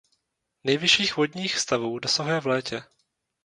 Nejvyšších vodních stavů dosahuje v létě.